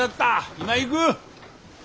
今行く！